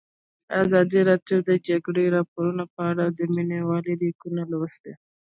ازادي راډیو د د جګړې راپورونه په اړه د مینه والو لیکونه لوستي.